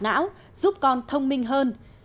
não giúp con thông minh hơn